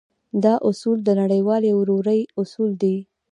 دا اصول د نړيوالې ورورۍ اصول دی.